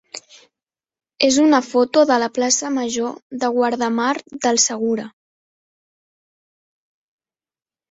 és una foto de la plaça major de Guardamar del Segura.